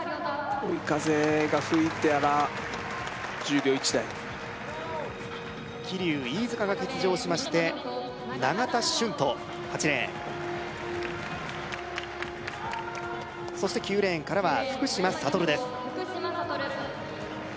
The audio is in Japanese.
追い風が吹いたら１０秒１台桐生飯塚が欠場しまして永田駿斗８レーンそして９レーンからは福島聖です